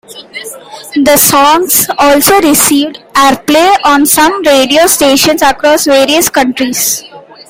The songs also received airplay on some radio stations across various countries.